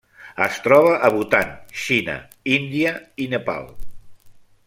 Es troba a Bhutan, Xina, Índia, i Nepal.